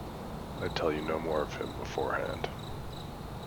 I tell you no more of him beforehand.